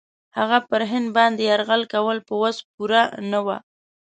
هغه پر هند باندي یرغل کول په وس پوره نه وه.